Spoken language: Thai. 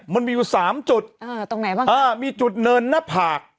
มันมีอยู่สามจุดเออตรงไหนบ้างอ่ามีจุดเนินหน้าผาก